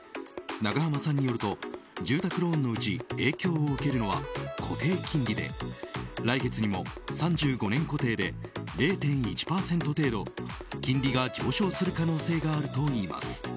永濱さんによると住宅ローンのうち影響を受けるのは固定金利で来月にも３５年固定で０．１％程度、金利が上昇する可能性があるといいます。